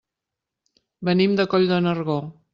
Venim de Coll de Nargó.